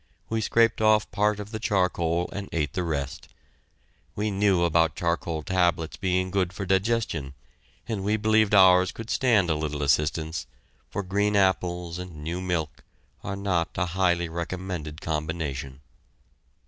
We scraped off part of the charcoal and ate the rest. We knew about charcoal tablets being good for digestion, and we believed ours could stand a little assistance, for green apples and new milk are not a highly recommended combination.